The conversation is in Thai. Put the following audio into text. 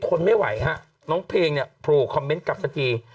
ทนไม่ไหวฮะน้องเพลงเนี่ยโผล่คอมเมนต์กลับสักที